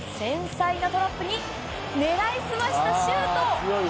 この繊細なトラップに狙い澄ましたシュート！